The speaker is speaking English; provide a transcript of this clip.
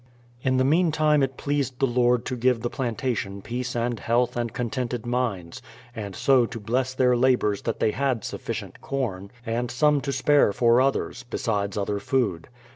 In the meantime it pleased the Lord to give the planta tion peace and health and contented minds, and so to bless their labours that they had sufficient corn, and some to spare for others, besides other food.